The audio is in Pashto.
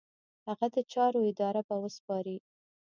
هغه د چارو اداره به وسپاري.